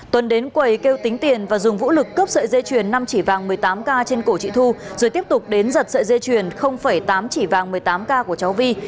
tuấn đến quầy kêu tính tiền và dùng vũ lực cướp sợi dây chuyền năm chỉ vàng một mươi tám k trên cổ chị thu rồi tiếp tục đến giật sợi dây chuyền tám chỉ vàng một mươi tám k của cháu vi